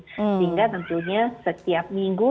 sehingga tentunya setiap minggu